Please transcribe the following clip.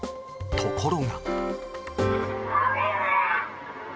ところが。